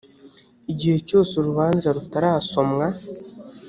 igihe cyose urubanza rutarasomwa